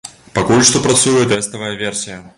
Пакуль што працуе тэставая версія.